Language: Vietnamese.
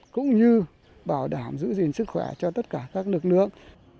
cũng như bảo đảm giữ gìn sức khỏe cho tất cả các lực lượng